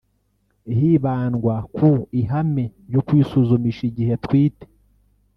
hibandwa ku ihame ryo kwisuzumisha igihe atwite